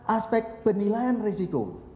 aspek penilaian risiko